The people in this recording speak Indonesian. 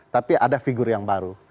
tapi ada figur yang baru